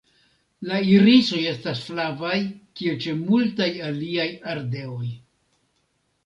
La irisoj estas flavaj kiel ĉe multaj aliaj ardeoj.